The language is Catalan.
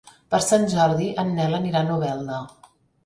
Per Sant Jordi en Nel anirà a Novelda.